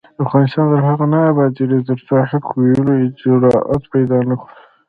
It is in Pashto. افغانستان تر هغو نه ابادیږي، ترڅو د حق ویلو جرات پیدا نکړو.